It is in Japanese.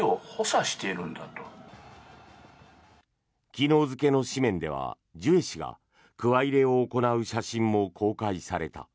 昨日付の紙面ではジュエ氏がくわ入れを行う写真も公開された。